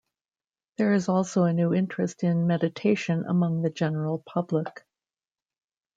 There is also a new interest in meditation among the general public.